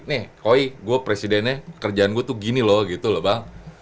nih koi gue presidennya kerjaan gue tuh gini loh gitu loh bang